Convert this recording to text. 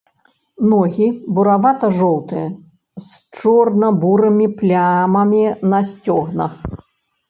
Ногі буравата-жоўтыя, з чорна-бурымі плямамі на сцёгнах.